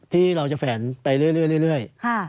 ที่เราจะแฝนไปเรื่อย